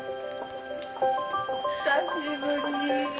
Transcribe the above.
久しぶり。